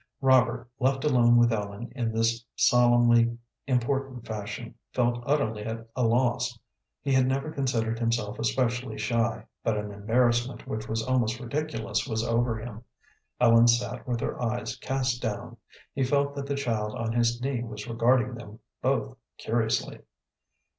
Robert, left alone with Ellen in this solemnly important fashion, felt utterly at a loss. He had never considered himself especially shy, but an embarrassment which was almost ridiculous was over him. Ellen sat with her eyes cast down. He felt that the child on his knee was regarding them both curiously.